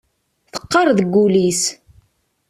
Teqqar deg wul-is.